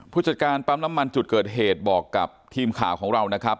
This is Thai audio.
ผู้จัดการปั๊มน้ำมันจุดเกิดเหตุบอกกับทีมข่าวของเรานะครับ